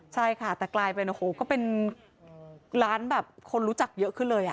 ใช่ค่ะแต่กลายเป็นโอ้โหก็เป็นร้านแบบคนรู้จักเยอะขึ้นเลย